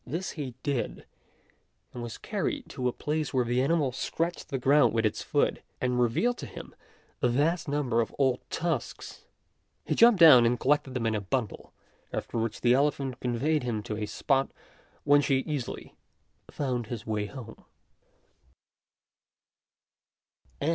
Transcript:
This he did, and was carried to a place where the animal scratched the ground with its foot, and revealed to him a vast number of old tusks. He jumped down and collected them in a bundle, after which the elephant conveyed him to a spot whence he easily found his way home.